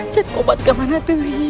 cari obat kemana dwi